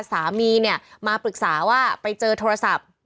สามีเนี่ยมาปรึกษาว่าไปเจอโทรศัพท์